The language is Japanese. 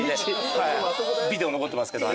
ビデオ残ってますけど。